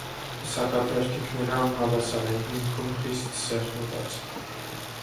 Պսակաթերթիկները անհավասար են, հիմքում խիստ սեղմված։